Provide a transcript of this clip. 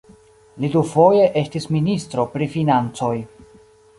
Li dufoje estis ministro pri financoj.